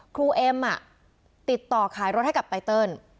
เอ็มติดต่อขายรถให้กับไตเติล